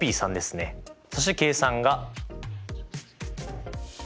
そして計算が。